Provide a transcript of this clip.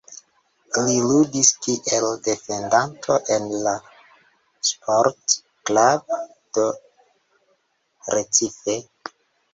Li ludis kiel defendanto en la Sport Club do Recife.